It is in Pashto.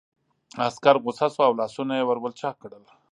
عسکر غوسه شو او لاسونه یې ور ولچک کړل